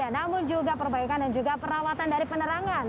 namun juga perbaikan dan juga perawatan dari penerangan